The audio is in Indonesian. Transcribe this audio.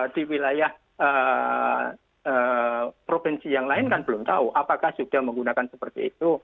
di wilayah provinsi yang lain kan belum tahu apakah sudah menggunakan seperti itu